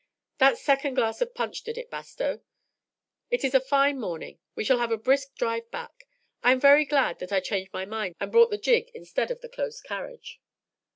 "That second glass of punch did it, Bastow. It is a fine morning; we shall have a brisk drive back. I am very glad that I changed my mind and brought the gig instead of the close carriage."